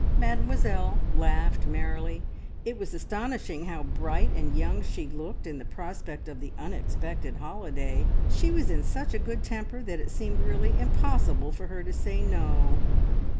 Mademoiselle laughed merrily. It was astonishing how bright and young she looked in the prospect of the unexpected holiday. She was in such a good temper that it seemed really impossible for her to say No.